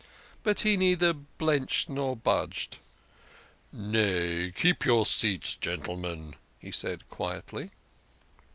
But he neither blenched nor budged. " Nay, keep your seats, gen tlemen," he said quietly.